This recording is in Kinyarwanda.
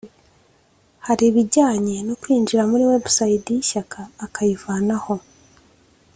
hari ibijyanye no kwinjira muri website y’ishyaka akayivanaho